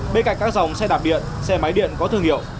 bên cạnh các dòng xe đạp điện xe máy điện có thương hiệu